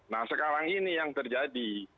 nah sekarang ini yang terjadi